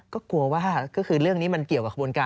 ก็กลัวว่าเรื่องนี้มันเกี่ยวกับกระบวนการ